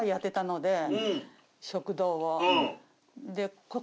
食堂を。